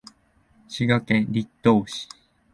滋賀県栗東市